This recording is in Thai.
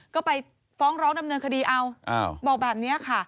ก็ไปฟ้องร้องดำเนินคดีเอาบอกแบบนี้ค่ะ